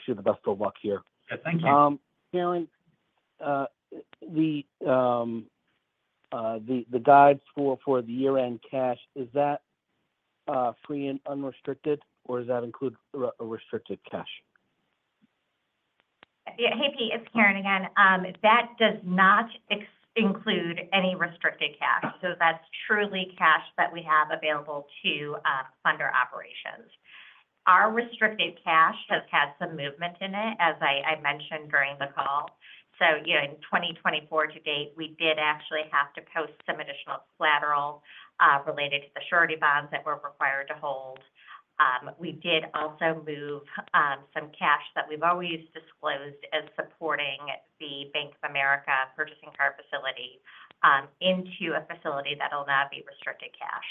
you the best of luck here. Yeah, thank you. Karen, the guidance for the year-end cash, is that free and unrestricted, or does that include a restricted cash? Hey, Pete. It's Karen again. That does not include any restricted cash. So that's truly cash that we have available to fund our operations. Our restricted cash has had some movement in it, as I mentioned during the call. So in 2024 to date, we did actually have to post some additional collateral related to the surety bonds that we're required to hold. We did also move some cash that we've always disclosed as supporting the Bank of America purchasing card facility into a facility that'll now be restricted cash.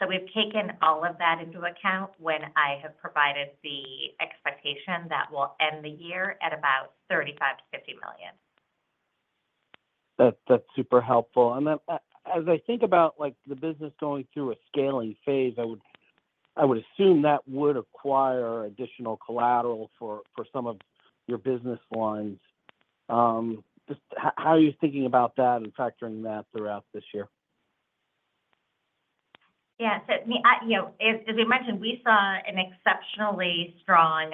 So we've taken all of that into account when I have provided the expectation that we'll end the year at about $35 million-$50 million. That's super helpful. And then as I think about the business going through a scaling phase, I would assume that would acquire additional collateral for some of your business lines. How are you thinking about that and factoring that throughout this year? Yeah. So as we mentioned, we saw an exceptionally strong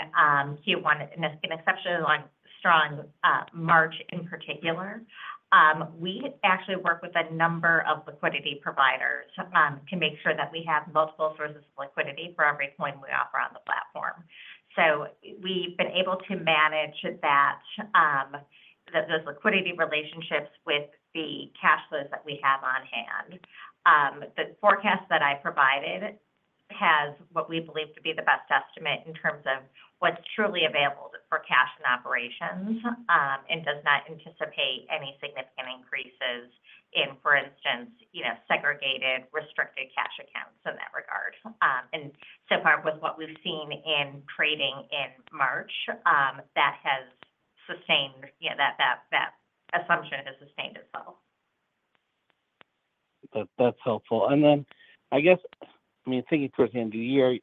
Q1 and an exceptionally strong March in particular. We actually work with a number of liquidity providers to make sure that we have multiple sources of liquidity for every coin we offer on the platform. So we've been able to manage those liquidity relationships with the cash flows that we have on hand. The forecast that I provided has what we believe to be the best estimate in terms of what's truly available for cash in operations and does not anticipate any significant increases in, for instance, segregated, restricted cash accounts in that regard. And so far with what we've seen in trading in March, that has sustained that assumption has sustained itself. That's helpful. Then I guess, I mean, thinking towards the end of the year,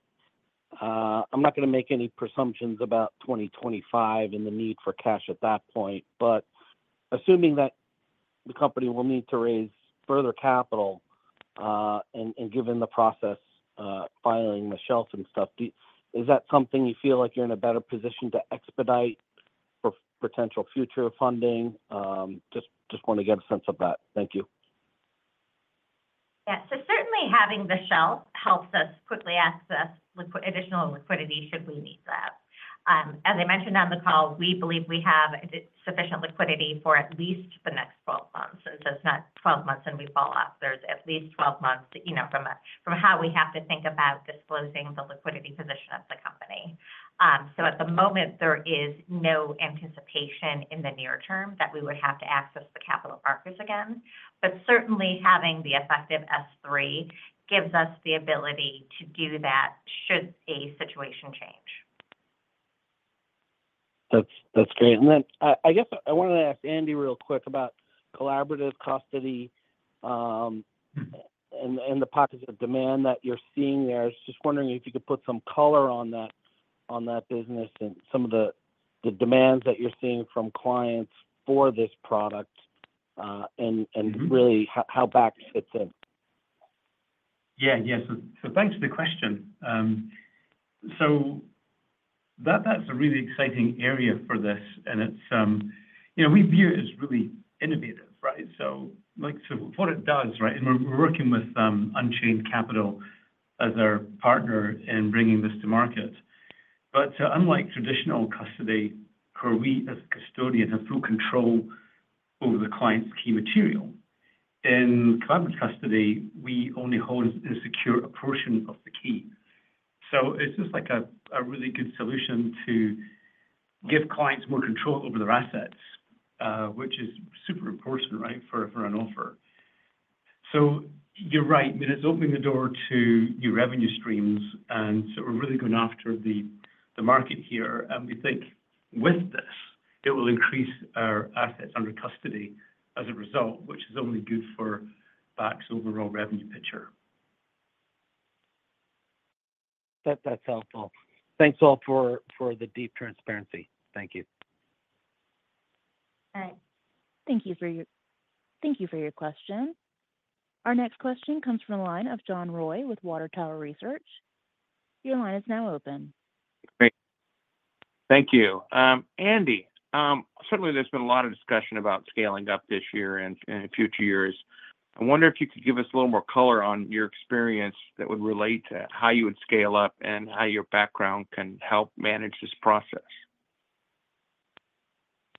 I'm not going to make any presumptions about 2025 and the need for cash at that point. But assuming that the company will need to raise further capital and given the process filing the shelf and stuff, is that something you feel like you're in a better position to expedite for potential future funding? Just want to get a sense of that. Thank you. Yeah. So certainly having the shelf helps us quickly access additional liquidity should we need that. As I mentioned on the call, we believe we have sufficient liquidity for at least the next 12 months. And so it's not 12 months and we fall off. There's at least 12 months from how we have to think about disclosing the liquidity position of the company. So at the moment, there is no anticipation in the near term that we would have to access the capital markets again. But certainly, having the effective S-3 gives us the ability to do that should a situation change. That's great. And then I guess I wanted to ask Andy real quick about collaborative custody and the pockets of demand that you're seeing there. I was just wondering if you could put some color on that business and some of the demands that you're seeing from clients for this product and really how Bakkt fits in. Yeah. Yeah. So thanks for the question. So that's a really exciting area for this. And we view it as really innovative, right? So what it does, right? And we're working with Unchained Capital as our partner in bringing this to market. But unlike traditional custody, where we as a custodian have full control over the client's key material, in collaborative custody, we only hold a secure portion of the key. So it's just like a really good solution to give clients more control over their assets, which is super important, right, for an offer. So you're right. I mean, it's opening the door to new revenue streams. And so we're really going after the market here. And we think with this, it will increase our assets under custody as a result, which is only good for Bakkt's overall revenue picture. That's helpful. Thanks all for the deep transparency. Thank you. All right. Thank you for your thank you for your question. Our next question comes from a line of John Roy with Water Tower Research. Your line is now open. Great. Thank you. Andy, certainly, there's been a lot of discussion about scaling up this year and in future years. I wonder if you could give us a little more color on your experience that would relate to how you would scale up and how your background can help manage this process.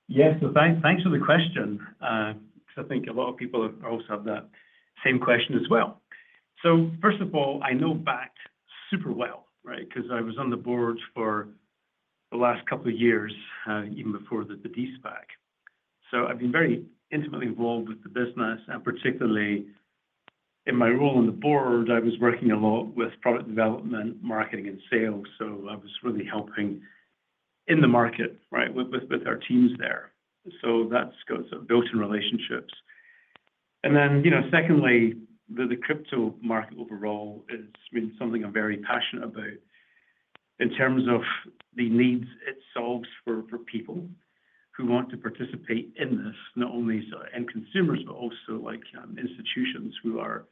Yes. So thanks for the question because I think a lot of people also have that same question as well. So first of all, I know Bakkt super well, right, because I was on the board for the last couple of years, even before the SPAC. So I've been very intimately involved with the business. And particularly in my role on the board, I was working a lot with product development, marketing, and sales. So I was really helping in the market, right, with our teams there. So that's built-in relationships. And then secondly, the crypto market overall is, I mean, something I'm very passionate about in terms of the needs it solves for people who want to participate in this, not only consumers, but also institutions who are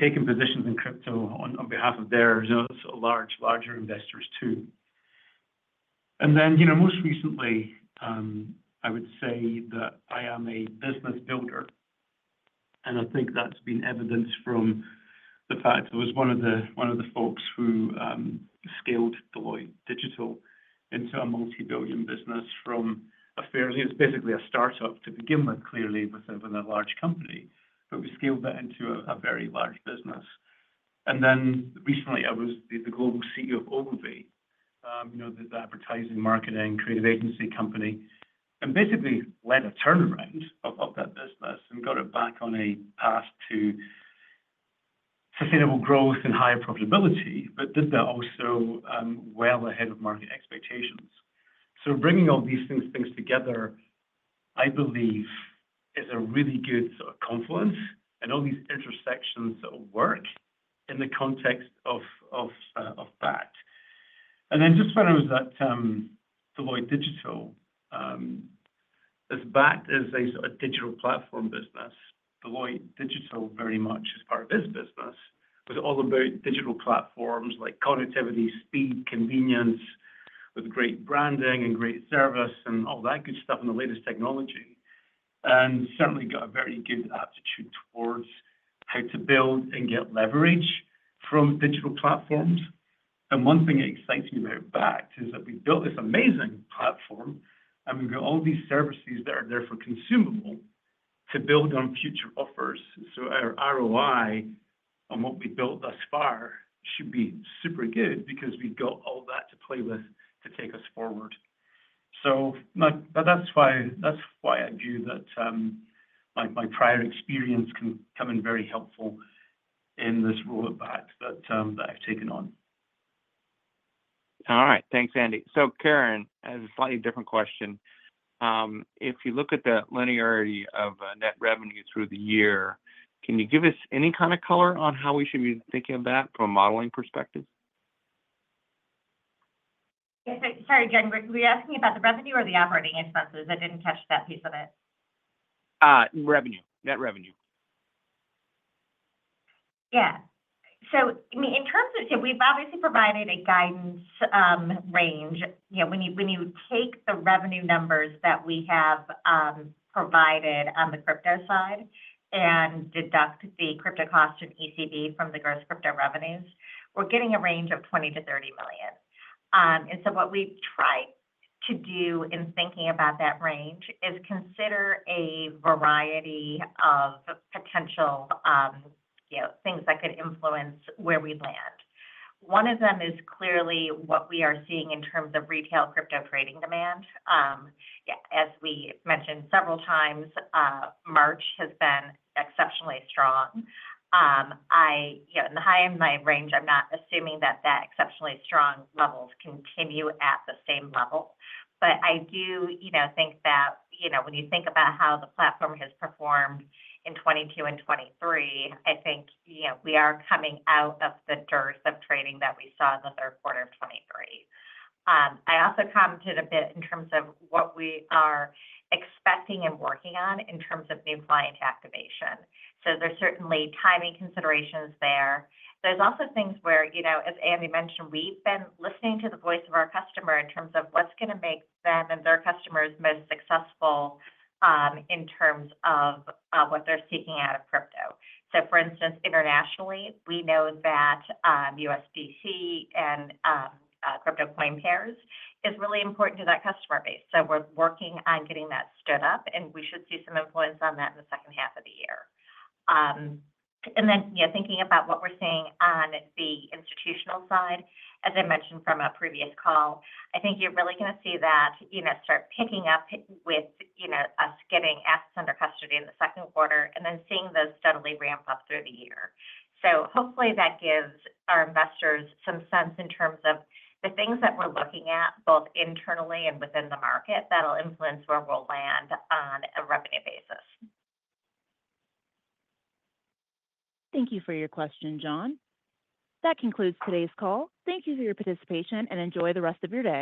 taking positions in crypto on behalf of their larger investors too. And then most recently, I would say that I am a business builder. And I think that's been evidenced from the fact that I was one of the folks who scaled Deloitte Digital into a multi-billion business from a fairly it was basically a startup to begin with, clearly, within a large company. But we scaled that into a very large business. And then recently, I was the global CEO of Ogilvy, the advertising, marketing, creative agency company, and basically led a turnaround of that business and got it back on a path to sustainable growth and higher profitability, but did that also well ahead of market expectations. So bringing all these things together, I believe, is a really good sort of confluence and all these intersections that will work in the context of Bakkt. And then, just when I was at Deloitte Digital, as Bakkt is a sort of digital platform business, Deloitte Digital very much as part of its business was all about digital platforms like connectivity, speed, convenience, with great branding and great service and all that good stuff and the latest technology. And certainly got a very good aptitude towards how to build and get leverage from digital platforms. And one thing that excites me about Bakkt is that we've built this amazing platform, and we've got all these services that are there for consumable to build on future offers. So our ROI on what we've built thus far should be super good because we've got all that to play with to take us forward. So that's why I view that my prior experience can come in very helpful in this role at Bakkt that I've taken on. All right. Thanks, Andy. So Karen, a slightly different question. If you look at the linearity of net revenue through the year, can you give us any kind of color on how we should be thinking of that from a modeling perspective? Sorry, John. Were you asking me about the revenue or the operating expenses? I didn't catch that piece of it. Revenue. Net revenue. Yeah. So I mean, in terms of so we've obviously provided a guidance range. When you take the revenue numbers that we have provided on the crypto side and deduct the crypto cost and ECB from the gross crypto revenues, we're getting a range of $20 million-$30 million. And so what we've tried to do in thinking about that range is consider a variety of potential things that could influence where we land. One of them is clearly what we are seeing in terms of retail crypto trading demand. As we mentioned several times, March has been exceptionally strong. In the high end of my range, I'm not assuming that that exceptionally strong levels continue at the same level. But I do think that when you think about how the platform has performed in 2022 and 2023, I think we are coming out of the dearth of trading that we saw in the third quarter of 2023. I also commented a bit in terms of what we are expecting and working on in terms of new client activation. So there's certainly timing considerations there. There's also things where, as Andy mentioned, we've been listening to the voice of our customer in terms of what's going to make them and their customers most successful in terms of what they're seeking out of crypto. So for instance, internationally, we know that USDC and crypto coin pairs is really important to that customer base. So we're working on getting that stood up, and we should see some influence on that in the second half of the year. Then thinking about what we're seeing on the institutional side, as I mentioned from a previous call, I think you're really going to see that start picking up with us getting assets under custody in the second quarter and then seeing those steadily ramp up through the year. Hopefully, that gives our investors some sense in terms of the things that we're looking at, both internally and within the market, that'll influence where we'll land on a revenue basis. Thank you for your question, John. That concludes today's call. Thank you for your participation, and enjoy the rest of your day.